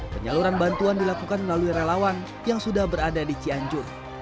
penyaluran bantuan dilakukan melalui relawan yang sudah berada di cianjur